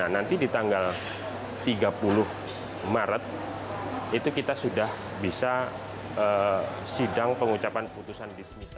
nanti di tanggal tiga puluh maret itu kita sudah bisa sidang pengucapan putusan bisnis